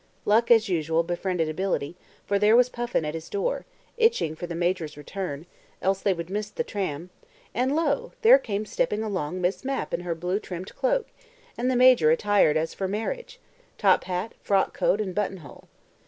Luck, as usual, befriended ability, for there was Puffin at his door, itching for the Major's return (else they would miss the tram); and lo! there came stepping along Miss Mapp in her blue trimmed cloak, and the Major attired as for marriage top hat, frock coat and button hole.